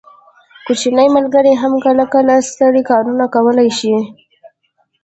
کوچني ملګري هم کله کله ستر کارونه کولی شي.